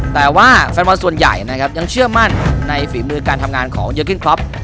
แต่ว่าแฟนบอลส่วนใหญ่นะครับยังเชื่อมั่นในฝีมือการทำงานของเยอร์กิ้งคล็อป